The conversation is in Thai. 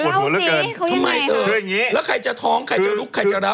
โอ้โฮบทหมดแล้วเกินทำไมเธอแล้วใครจะท้องใครจะลุกใครจะรับ